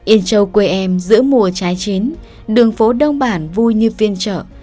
yên châu quê em giữa mùa trái chín đường phố đông bản vui như phiên chợ